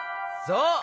そう！